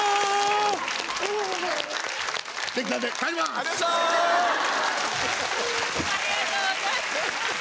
ありがとうございます。